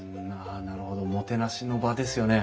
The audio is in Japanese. なるほどもてなしの場ですよね。